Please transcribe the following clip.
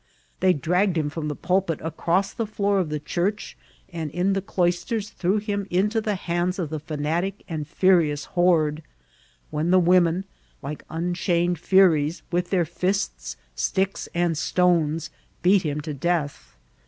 They dragged him from the pulpit across the floor of the church, and in the cloisters threw him into the hands of the feutiatic and furious horde, when the women, like unchained furies, with their fists, sticks, and stones, beat him to death.